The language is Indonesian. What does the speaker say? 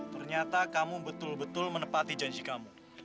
ternyata kamu betul betul menepati janji kamu